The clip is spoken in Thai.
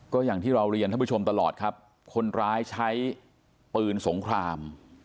ก็อย่างที่เราเรียนท่านผู้ชมตลอดครับคนร้ายใช้ปืนสงคราม